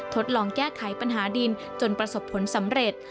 ทดลองแก้ไขปัญหาดินจนประสบผลสำเร็จ